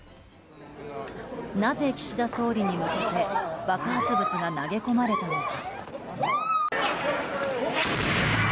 なぜ岸田総理に向けて爆発物が投げ込まれたのか。